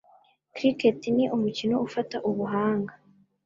Cricket ni umukino ufata ubuhanga.